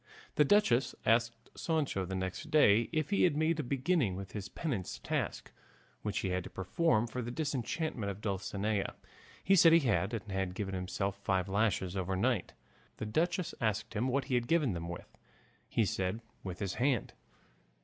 The duchess asked Sancho the next day if he had made a beginning with his penance task which he had to perform for the disenchantment of Dulcinea. He said he had, and had given himself five lashes overnight. The duchess asked him what he had given them with. He said with his hand.